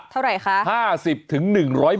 เท่าไหร่คะ